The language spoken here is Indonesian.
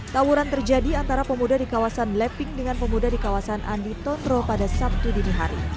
tawuran terjadi antara pemuda di kawasan laping dengan pemuda di kawasan andi tondro pada sabtu dini hari